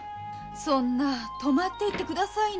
そんな泊まっていってくださいな。